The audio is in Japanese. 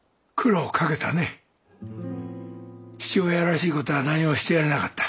父親らしい事は何もしてやれなかった。